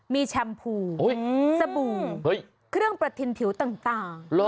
มีแชมพูสบู่เครื่องประทินผิวต่าง